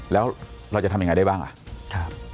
แล้วเราจะทำยังไงได้บ้างอ่ะ